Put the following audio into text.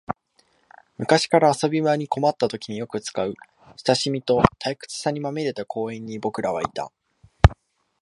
昔から遊び場に困ったときによく使う、親しみと退屈さにまみれた公園に僕らはいた